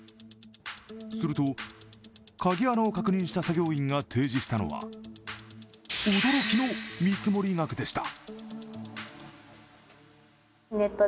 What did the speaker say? すると、鍵穴を確認した作業員が提示したのは驚きの見積額でした。